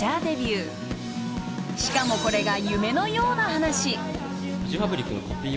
［しかもこれが夢のような話］